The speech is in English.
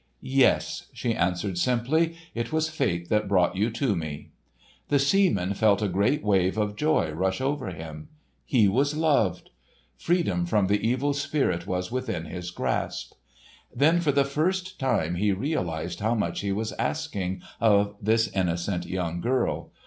"Yes," she answered simply; "it was Fate that brought you to me." The seaman felt a great wave of joy rush over him. He was loved! Freedom from the Evil Spirit was within his grasp! Then for the first time he realised how much he was asking of this innocent young girl.